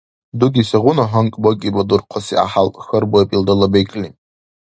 — Дуги сегъуна гьанкӀ бакӀиба, дурхъаси гӀяхӀял? — хьарбаиб илдала бекӀли.